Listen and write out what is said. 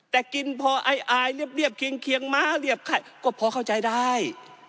แต่กินพออายเรียบเคียงม้าเรียบไข่ก็พอเข้าใจได้